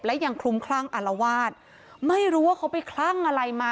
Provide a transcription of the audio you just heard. และยังคลุมคลั่งอารวาสไม่รู้ว่าเขาไปคลั่งอะไรมา